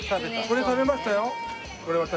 これ食べました？